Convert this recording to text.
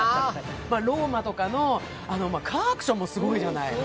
ローマとかの、カーアクションもすごいじゃない。